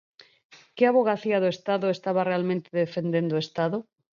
¿Que Avogacía do Estado estaba realmente defendendo o Estado?